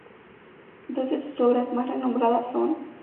Dos de sus obras más renombradas son.